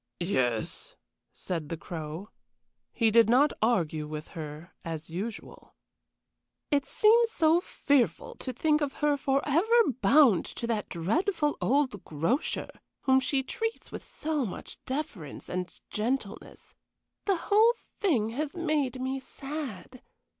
"Yes," said the Crow. He did not argue with her as usual. "It seems so fearful to think of her forever bound to that dreadful old grocer, whom she treats with so much deference and gentleness. The whole thing has made me sad.